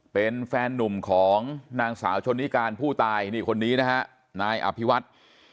เป็นแฟนนุ่มของนางสาวชนนิการผู้ตายนี่คนนี้นะฮะนายอภิวัฒน์